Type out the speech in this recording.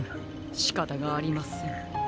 しかたがありません。